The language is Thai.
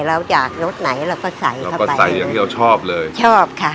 เราจากรสไหนเราก็ใส่เราก็ใส่อย่างที่เราชอบเลยชอบค่ะ